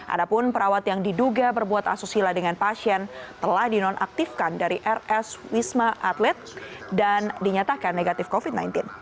ada pun perawat yang diduga berbuat asusila dengan pasien telah dinonaktifkan dari rs wisma atlet dan dinyatakan negatif covid sembilan belas